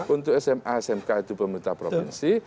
untuk sma smk itu pemerintah provinsi